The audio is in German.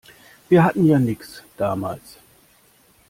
Wir hatten ja nix, damals.